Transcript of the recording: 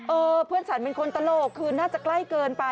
เออเพื่อนฉันเป็นคนตลกคือน่าจะใกล้เกินไป